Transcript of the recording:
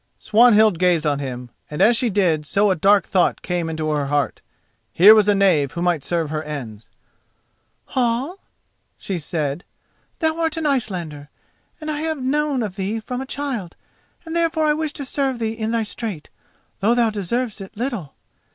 Swanhild gazed on him, and as she did so a dark thought came into her heart: here was a knave who might serve her ends. "Hall," she said, "thou art an Icelander, and I have known of thee from a child, and therefore I wish to serve thee in thy strait, though thou deservest it little.